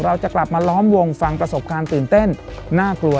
เราจะกลับมาล้อมวงฟังประสบการณ์ตื่นเต้นน่ากลัว